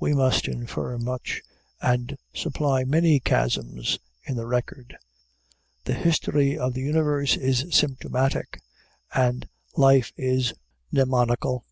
We must infer much, and supply many chasms in the record. The history of the universe is symptomatic, and life is mnemonical.